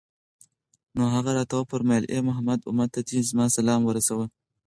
نو هغه راته وفرمايل: اې محمد! أمت ته دي زما سلام ورسوه